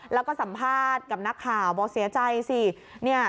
แล้วก็สัมภาษณ์กับนักข่าวบอกเสียใจสิ